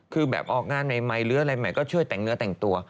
คือแบบออกงานใหม่หรืออะไรใหม่ก็ช่วยแต่งเนื้อแต่งตัว